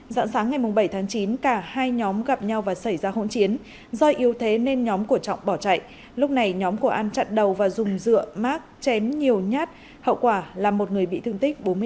giãn sáng ngày bảy tháng chín cả hai nhóm gặp nhau và xảy ra hỗn chiến do yêu thế nên nhóm của trọng bỏ chạy lúc này nhóm của an chặn đầu và dùng dựa mát chén nhiều nhát hậu quả là một người bị thương tích bốn mươi năm